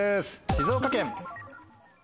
「静岡県」。